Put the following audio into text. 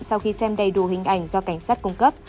sau khi xem đầy đủ hình ảnh do cảnh sát cung cấp